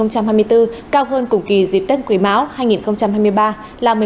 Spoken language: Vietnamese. cao hơn cùng kỳ dịp tết quỳ máu hai nghìn hai mươi ba là một mươi một hai